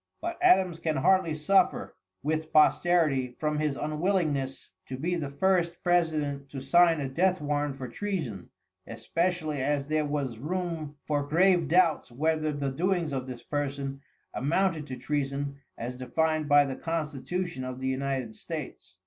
But Adams can hardly suffer with posterity from his unwillingness to be the first president to sign a death warrant for treason, especially as there was room for grave doubts whether the doings of this person amounted to treason as defined by the constitution of the United States.